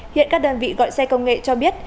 hiện các đơn vị gọi xe công nghệ cho biết